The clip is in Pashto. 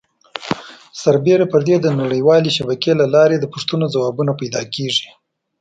سربیره پر دې د نړۍ والې شبکې له لارې د پوښتنو ځوابونه پیدا کېږي.